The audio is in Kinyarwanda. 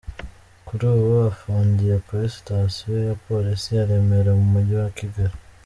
Kuri ubu afungiye kuri sitasiyo ya Polisi ya Remera mu mujyi wa Kigali.